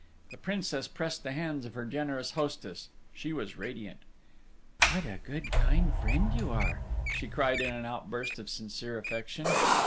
The Princess pressed the hands of her generous hostess: she was radiant: "What a good kind friend you are!" she cried in an outburst of sincere affection.